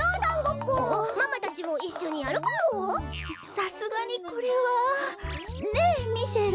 さすがにこれはねえミシェル。